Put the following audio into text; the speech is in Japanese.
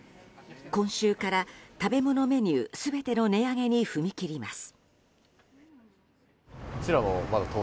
今週から、食べ物メニュー全ての値上げに踏み切ります。